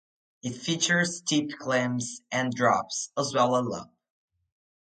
It features steep climbs and drops, as well a loop.